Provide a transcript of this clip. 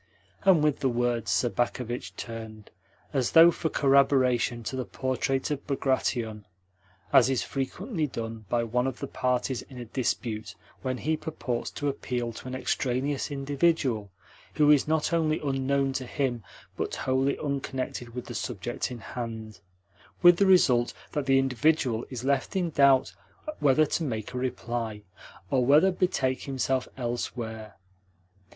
And, with the words, Sobakevitch turned, as though for corroboration, to the portrait of Bagration, as is frequently done by one of the parties in a dispute when he purports to appeal to an extraneous individual who is not only unknown to him, but wholly unconnected with the subject in hand; with the result that the individual is left in doubt whether to make a reply, or whether to betake himself elsewhere.